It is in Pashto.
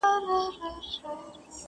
نه به زه یم نه به ته نه دا وطن وي،